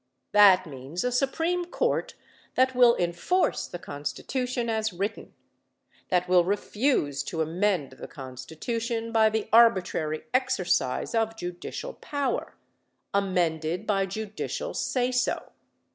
That means a Supreme Court that will enforce the Constitution as written that will refuse to amend the Constitution by the arbitrary exercise of judicial power amended by judicial say so.